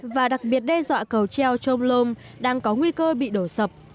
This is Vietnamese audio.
và đặc biệt đe dọa cầu treo trôm lông đang có nguy cơ bị đổ sập